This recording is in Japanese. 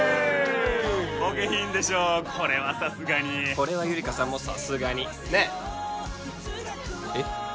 お下品でしょこれはさすがにこれはゆりかさんもさすがにねっえっ？